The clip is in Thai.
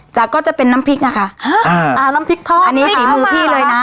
ก็จะเป็นน้ำพริกนะคะอ่าน้ำพริกทอดอันนี้ฝีมือพี่เลยนะ